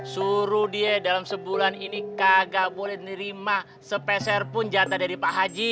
suruh dia dalam sebulan ini kagak boleh nerima sepeserpun jatah dari pak haji